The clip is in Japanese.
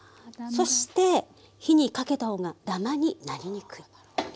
そして火にかけた方がダマになりにくい。